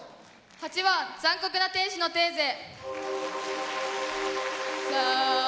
８番「残酷な天使のテーゼ」。